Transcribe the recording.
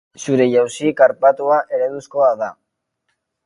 Zure jauzi karpatua ereduzkoa da.